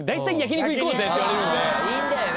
いいんだよね。